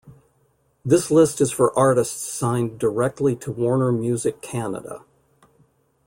This list is for artists signed directly to Warner Music Canada.